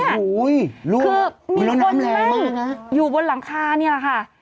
คือมีคนแง่อยู่บนหลังคานี่แหละค่ะ